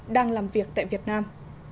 đang làm việc tại việt nam